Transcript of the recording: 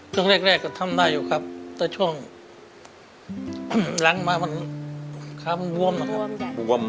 ครับก็แรกก็ทำได้อยู่ครับแต่ช่วงล้างมามันค่ะมันว่มนะครับ